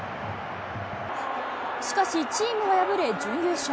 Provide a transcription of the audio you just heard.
しかしチームは敗れ、準優勝。